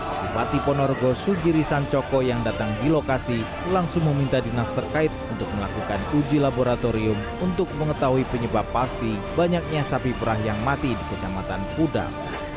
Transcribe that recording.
bupati ponorogo sugiri sancoko yang datang di lokasi langsung meminta dinas terkait untuk melakukan uji laboratorium untuk mengetahui penyebab pasti banyaknya sapi perah yang mati di kecamatan pudar